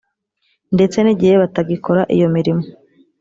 ndetse n igihe batagikora iyo mirimo